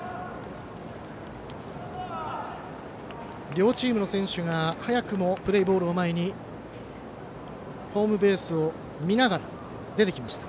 両チームの選手が早くもプレーボールを前にホームベースを見ながら出てきました。